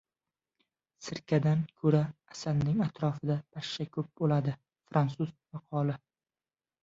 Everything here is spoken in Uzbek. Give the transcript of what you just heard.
Sirkadan ko‘ra asalning atrofida pashsha ko‘p bo‘ladi. Frantsuz maqoli